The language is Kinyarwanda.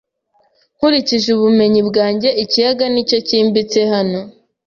Nkurikije ubumenyi bwanjye, ikiyaga nicyo cyimbitse hano.